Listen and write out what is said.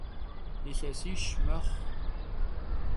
Yilhesiş mexhu.